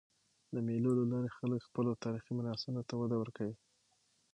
د مېلو له لاري خلک خپلو تاریخي میراثونو ته وده ورکوي.